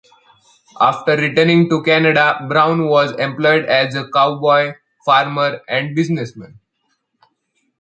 After returning to Canada, Brown was employed as a cowboy, farmer, and businessman.